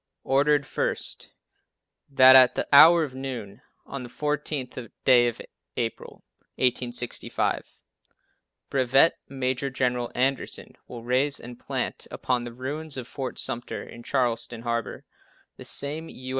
Ordered, first: That at the hour of noon, on the 14th day of April, 1865, Brevet Major General Anderson will raise and plant upon the ruins of Fort Sumter, in Charleston Harbor, the same U.